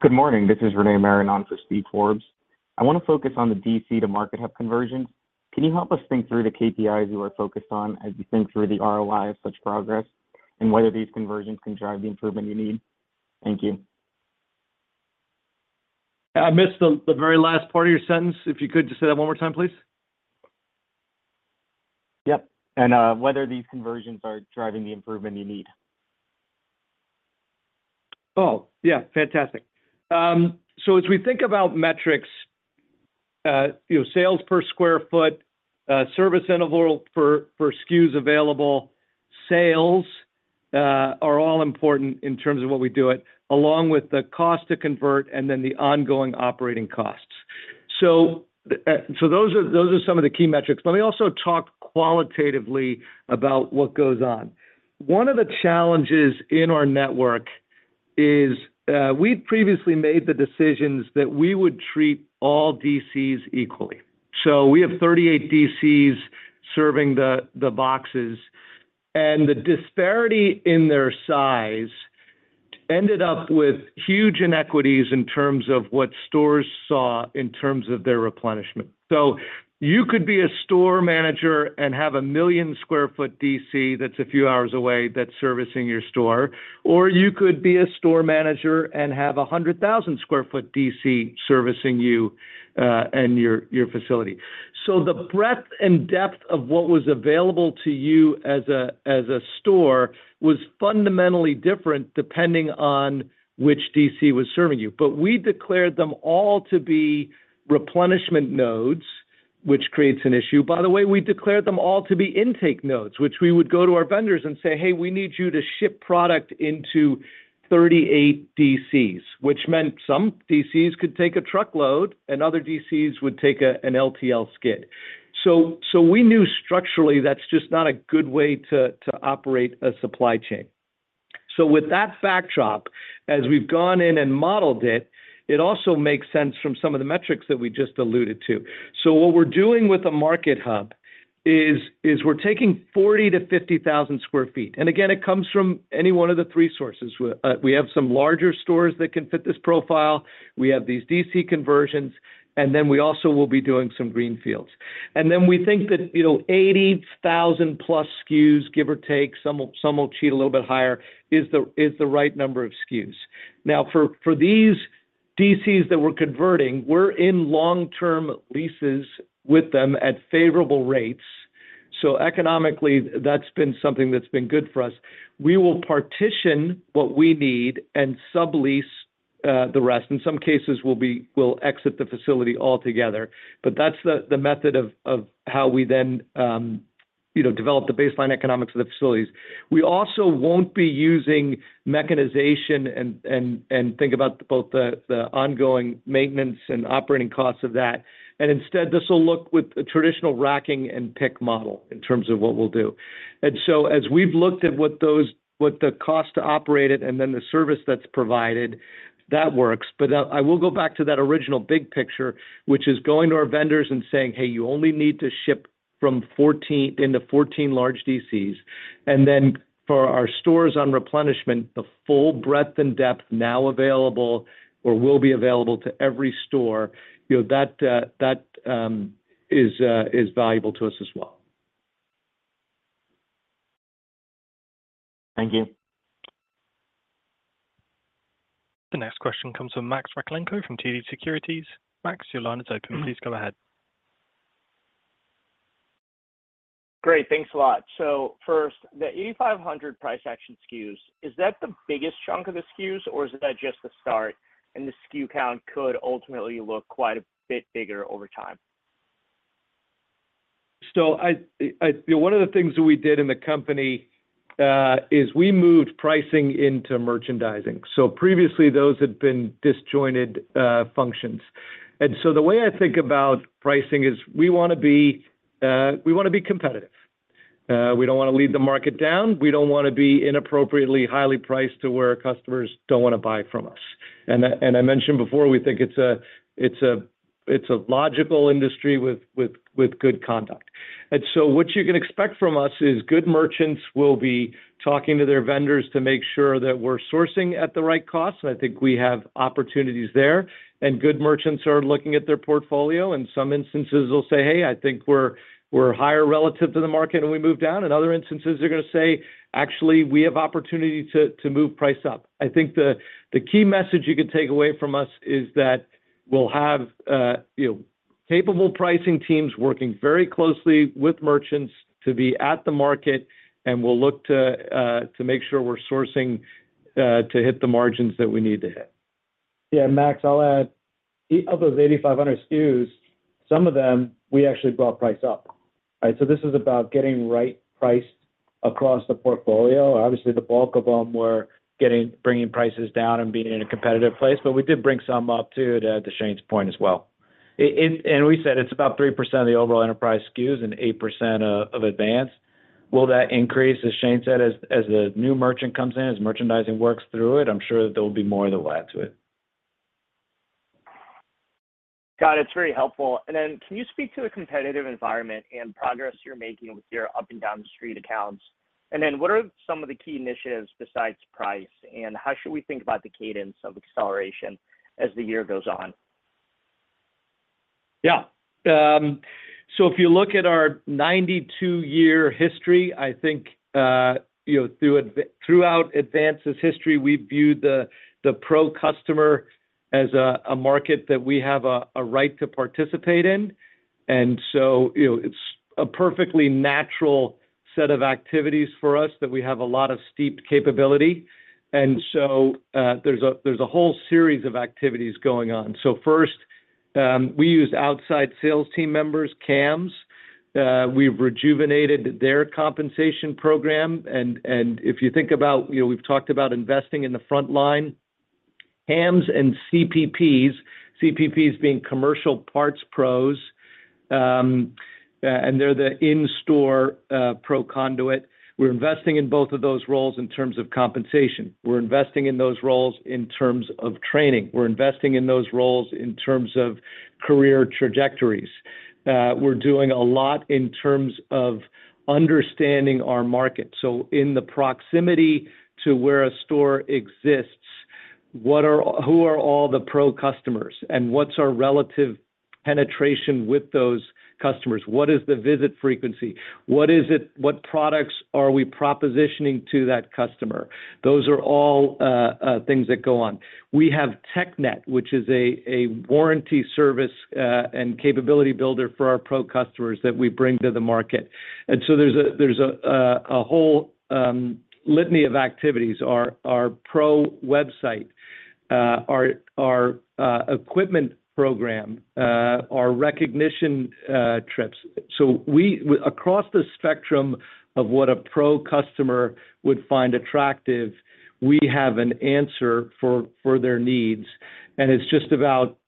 Good morning. This is Renee Marinon for Steve Forbes. I want to focus on the DC to market hub conversions. Can you help us think through the KPIs you are focused on as you think through the ROI of such progress and whether these conversions can drive the improvement you need? Thank you. I missed the very last part of your sentence. If you could, just say that one more time, please. Yep. And whether these conversions are driving the improvement you need. Oh, yeah. Fantastic. So as we think about metrics, sales per sq ft, service interval for SKUs available, sales are all important in terms of what we do it, along with the cost to convert and then the ongoing operating costs. So those are some of the key metrics. Let me also talk qualitatively about what goes on. One of the challenges in our network is we'd previously made the decisions that we would treat all DCs equally. We have 38 DCs serving the boxes, and the disparity in their size ended up with huge inequities in terms of what stores saw in terms of their replenishment. You could be a store manager and have a 1,000,000-sq-ft DC that's a few hours away that's servicing your store, or you could be a store manager and have a 100,000-sq-ft DC servicing you and your facility. The breadth and depth of what was available to you as a store was fundamentally different depending on which DC was serving you. But we declared them all to be replenishment nodes, which creates an issue. By the way, we declared them all to be intake nodes, which we would go to our vendors and say, "Hey, we need you to ship product into 38 DCs," which meant some DCs could take a truckload and other DCs would take an LTL skid. So we knew structurally that's just not a good way to operate a supply chain. So with that backdrop, as we've gone in and modeled it, it also makes sense from some of the metrics that we just alluded to. So what we're doing with a Market Hub is we're taking 40,000-50,000 sq ft. And again, it comes from any one of the three sources. We have some larger stores that can fit this profile. We have these DC conversions. And then we also will be doing some greenfields. Then we think that 80,000-plus SKUs, give or take, some will cheat a little bit higher, is the right number of SKUs. Now, for these DCs that we're converting, we're in long-term leases with them at favorable rates. So economically, that's been something that's been good for us. We will partition what we need and sublease the rest. In some cases, we'll exit the facility altogether. But that's the method of how we then develop the baseline economics of the facilities. We also won't be using mechanization and think about both the ongoing maintenance and operating costs of that. And instead, this will look with a traditional racking and pick model in terms of what we'll do. And so as we've looked at what the cost to operate it and then the service that's provided, that works. But I will go back to that original big picture, which is going to our vendors and saying, "Hey, you only need to ship into 14 large DCs." And then for our stores on replenishment, the full breadth and depth now available or will be available to every store, that is valuable to us as well. Thank you. The next question comes from Max Rakhlenko from TD Securities. Max, your line is open. Please go ahead. Great. Thanks a lot. So first, the 8,500 price action SKUs, is that the biggest chunk of the SKUs, or is that just the start? And the SKU count could ultimately look quite a bit bigger over time. So one of the things that we did in the company is we moved pricing into merchandising. So previously, those had been disjointed functions. The way I think about pricing is we want to be we want to be competitive. We don't want to lead the market down. We don't want to be inappropriately highly priced to where customers don't want to buy from us. I mentioned before, we think it's a logical industry with good conduct. So what you can expect from us is good merchants will be talking to their vendors to make sure that we're sourcing at the right cost. I think we have opportunities there. Good merchants are looking at their portfolio. In some instances, they'll say, "Hey, I think we're higher relative to the market," and we move down. In other instances, they're going to say, "Actually, we have opportunity to move price up." I think the key message you could take away from us is that we'll have capable pricing teams working very closely with merchants to be at the market, and we'll look to make sure we're sourcing to hit the margins that we need to hit. Yeah, Max, I'll add. Of those 8,500 SKUs, some of them, we actually brought price up, right? So this is about getting right priced across the portfolio. Obviously, the bulk of them were bringing prices down and being in a competitive place, but we did bring some up too, to Shane's point as well. And we said it's about 3% of the overall enterprise SKUs and 8% of Advance. Will that increase, as Shane said, as the new merchant comes in, as merchandising works through it? I'm sure that there will be more that will add to it. Got it. It's very helpful. And then can you speak to a competitive environment and progress you're making with your up-and-down-street accounts? And then what are some of the key initiatives besides price, and how should we think about the cadence of acceleration as the year goes on? Yeah. So if you look at our 92-year history, I think throughout Advance's history, we've viewed the pro-customer as a market that we have a right to participate in. And so it's a perfectly natural set of activities for us that we have a lot of deep capability. And so there's a whole series of activities going on. So first, we used outside sales team members, CAMs. We've rejuvenated their compensation program. And if you think about we've talked about investing in the front line, CAMs and CPPs, CPPs being commercial parts pros, and they're the in-store pro conduit. We're investing in both of those roles in terms of compensation. We're investing in those roles in terms of training. We're investing in those roles in terms of career trajectories. We're doing a lot in terms of understanding our market. So in the proximity to where a store exists, who are all the pro customers, and what's our relative penetration with those customers? What is the visit frequency? What products are we propositioning to that customer? Those are all things that go on. We have TechNet, which is a warranty service and capability builder for our pro customers that we bring to the market. And so there's a whole litany of activities: our pro website, our equipment program, our recognition trips. So across the spectrum of what a pro customer would find attractive, we have an answer for their needs. And it's just about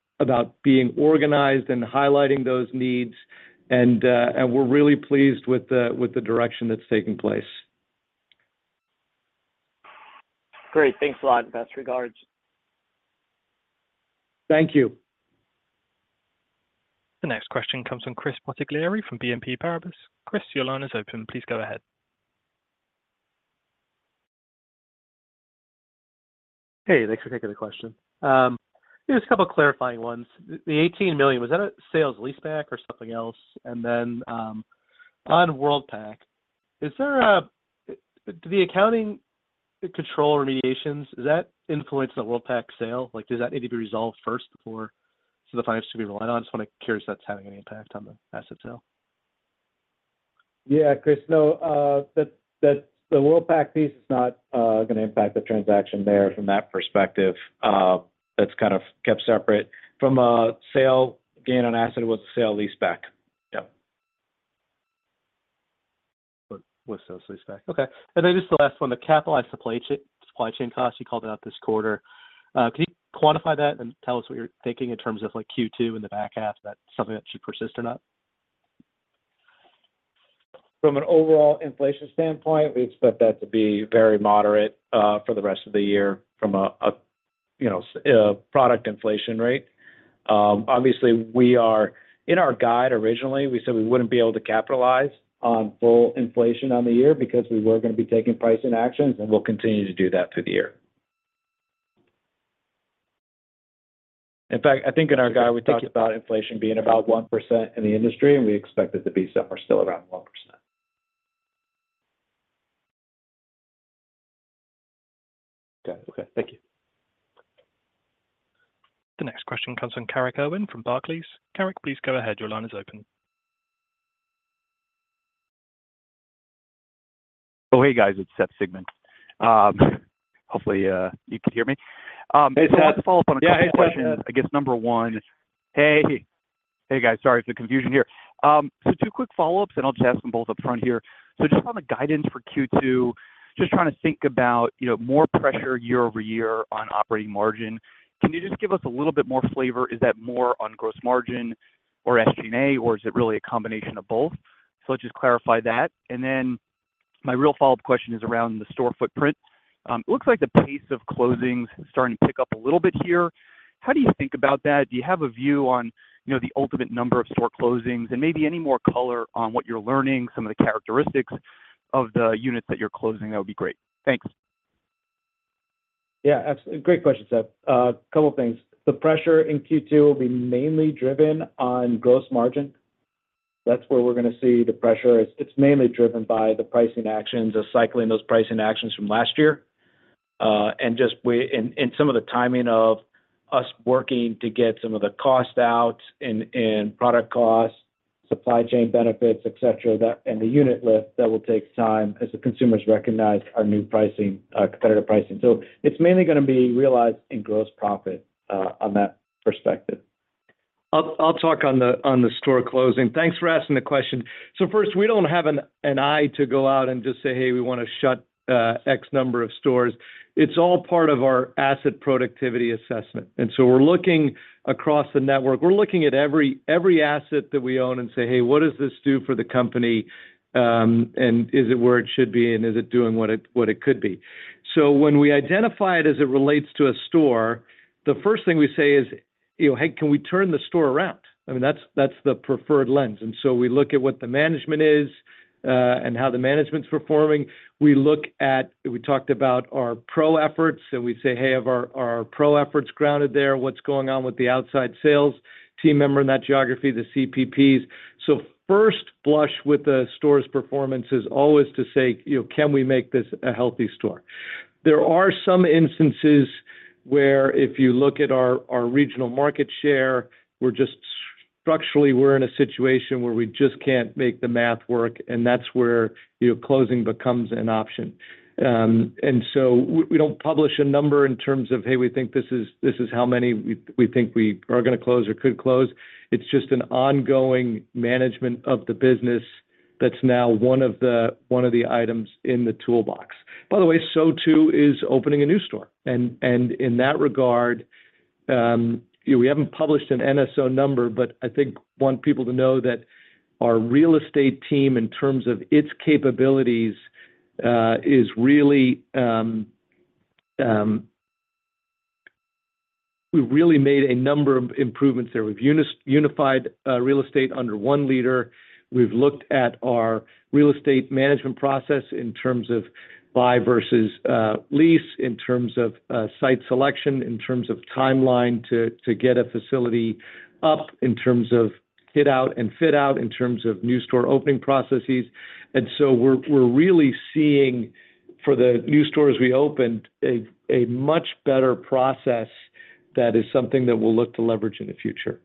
being organized and highlighting those needs. And we're really pleased with the direction that's taking place. Great. Thanks a lot. Best regards. Thank you. The next question comes from Chris Bottiglieri from BNP Paribas. Chris, your line is open. Please go ahead. Hey, thanks for taking the question. Just a couple of clarifying ones. The $18 million, was that a sales leaseback or something else? And then on Worldpac, do the accounting control remediations, does that influence the Worldpac sale? Does that need to be resolved first before so the finance can be relied on? I'm just curious if that's having any impact on the asset sale. Yeah, Chris. No, the Worldpac piece is not going to impact the transaction there from that perspective. That's kind of kept separate. From a sale gain on asset, it was a sale-leaseback. Yep. What's sale-leaseback? Okay. And then just the last one, the capitalized supply chain cost, you called it out this quarter. Can you quantify that and tell us what you're thinking in terms of Q2 in the back half? Is that something that should persist or not? From an overall inflation standpoint, we expect that to be very moderate for the rest of the year from a product inflation rate. Obviously, in our guide, originally, we said we wouldn't be able to capitalize on full inflation on the year because we were going to be taking pricing actions, and we'll continue to do that through the year. In fact, I think in our guide, we talked about inflation being about 1% in the industry, and we expect it to be somewhere still around 1%. Okay. Okay. Thank you. The next question comes from Carrick Erwin from Barclays. Carrick, please go ahead. Your line is open. Oh, hey, guys. It's Seth Sigman. Hopefully, you can hear me. I want to follow up on a couple of questions. I guess number one, hey, hey, guys. Sorry for the confusion here. So two quick follow-ups, and I'll just ask them both up front here. So just on the guidance for Q2, just trying to think about more pressure year-over-year on operating margin. Can you just give us a little bit more flavor? Is that more on gross margin or SG&A, or is it really a combination of both? So let's just clarify that. And then my real follow-up question is around the store footprint. It looks like the pace of closings is starting to pick up a little bit here. How do you think about that? Do you have a view on the ultimate number of store closings and maybe any more color on what you're learning, some of the characteristics of the units that you're closing? That would be great. Thanks. Yeah, great question, Seth. A couple of things. The pressure in Q2 will be mainly driven on gross margin. That's where we're going to see the pressure. It's mainly driven by the pricing actions, cycling those pricing actions from last year, and some of the timing of us working to get some of the cost out in product costs, supply chain benefits, etc., and the unit lift that will take time as the consumers recognize our new competitive pricing. So it's mainly going to be realized in gross profit on that perspective. I'll talk on the store closing. Thanks for asking the question. So first, we don't have an idea to go out and just say, "Hey, we want to shut X number of stores." It's all part of our asset productivity assessment. And so we're looking across the network. We're looking at every asset that we own and say, "Hey, what does this do for the company? And is it where it should be? And is it doing what it could be?" So when we identify it as it relates to a store, the first thing we say is, "Hey, can we turn the store around?" I mean, that's the preferred lens. And so we look at what the management is and how the management's performing. We talked about our pro efforts, and we say, "Hey, have our pro efforts grounded there? What's going on with the outside sales team member in that geography, the CPPs?" So first blush with the store's performance is always to say, "Can we make this a healthy store?" There are some instances where if you look at our regional market share, structurally, we're in a situation where we just can't make the math work, and that's where closing becomes an option. And so we don't publish a number in terms of, "Hey, we think this is how many we think we are going to close or could close." It's just an ongoing management of the business that's now one of the items in the toolbox. By the way, so too is opening a new store. In that regard, we haven't published an NSO number, but I think I want people to know that our real estate team, in terms of its capabilities, we've really made a number of improvements there. We've unified real estate under one leader. We've looked at our real estate management process in terms of buy versus lease, in terms of site selection, in terms of timeline to get a facility up, in terms of hit-out and fit-out, in terms of new store opening processes. So we're really seeing, for the new stores we opened, a much better process that is something that we'll look to leverage in the future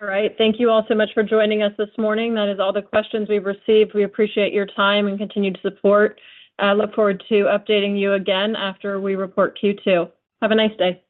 All right. Thank you all so much for joining us this morning. That is all the questions we've received. We appreciate your time and continue to support. I look forward to updating you again after we report Q2.Have a nice day.